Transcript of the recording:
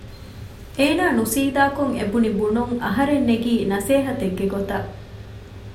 އޭނާ ނުސީދާކޮށް އެ ބުނި ބުނުން އަހަރެން ނެގީ ނަސޭހަތެއްގެ ގޮތަށް